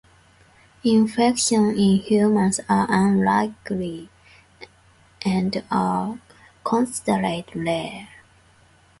Infections in humans are unlikely and are considered rare.